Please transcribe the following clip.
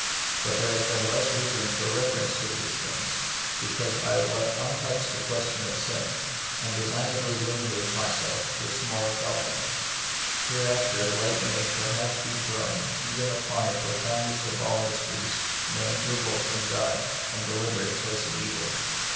But there has been the less reason for reference to these tnings, because I have left untouched the question of sin, and designedly limited myself to a The Mystery of Pain. 97 smaller problem. Hereafter light may per haps be thrown even upon that profoundest of all mysteries, man's revolt from God, and deliberate choice of evil.